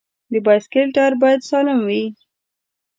د بایسکل ټایر باید سالم وي.